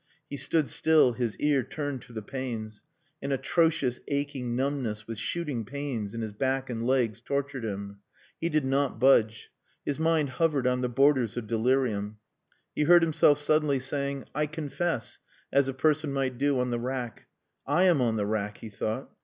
He stood still, his ear turned to the panes. An atrocious aching numbness with shooting pains in his back and legs tortured him. He did not budge. His mind hovered on the borders of delirium. He heard himself suddenly saying, "I confess," as a person might do on the rack. "I am on the rack," he thought.